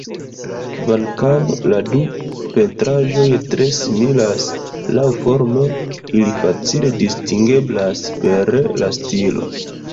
Kvankam la du pentraĵoj tre similas laŭforme, ili facile distingeblas per la stilo.